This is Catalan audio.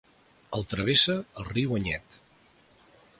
El travessa el riu Anyet.